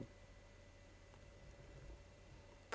PROP.